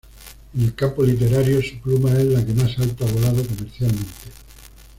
En el campo literario su pluma es la que más alto ha volado comercialmente.